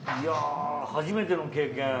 や初めての経験。